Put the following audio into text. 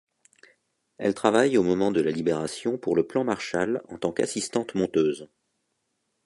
Elle travaille, au moment de la Libération, pour le Plan Marshall en tant qu'assistante-monteuse.